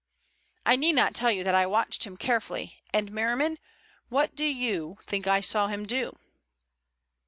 I need not tell you that I watched him carefully and, Merriman, what do you, think I saw him do?"